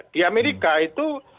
di amerika itu